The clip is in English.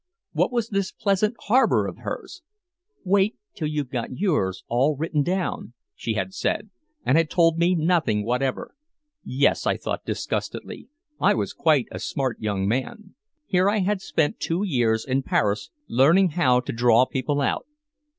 What was this pleasant harbor of hers? "Wait till you've got yours all written down," she had said, and had told me nothing whatever. Yes, I thought disgustedly, I was quite a smart young man. Here I had spent two years in Paris learning how to draw people out.